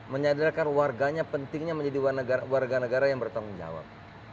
menyadarkan warganya pentingnya menjadi warganegara yang bertanggung jawab